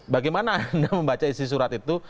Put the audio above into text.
bagaimana anda membaca isi surat itu